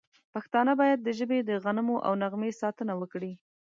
پښتانه باید د ژبې د غنمو او نغمې ساتنه وکړي.